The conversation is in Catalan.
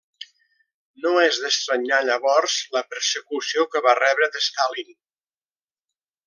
No és d'estranyar llavors la persecució que va rebre de Stalin.